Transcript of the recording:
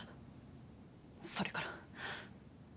それから。